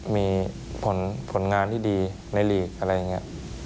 มีผลงานที่ดีในลีกอะไรอย่างนี้